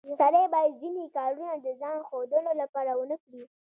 سړی باید ځینې کارونه د ځان ښودلو لپاره ونه کړي